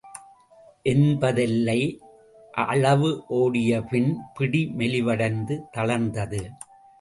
எண்பதெல்லை அளவு ஓடியபின் பிடி மெலிவடைந்து தளர்ந்தது.